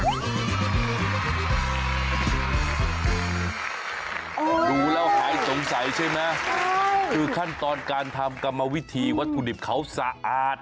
ดูแล้วหายสงสัยใช่ไหมคือขั้นตอนการทำกรรมวิธีวัตถุดิบเขาสะอาด